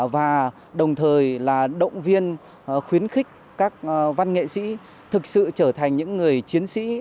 và đồng thời là động viên khuyến khích các văn nghệ sĩ thực sự trở thành những người chiến sĩ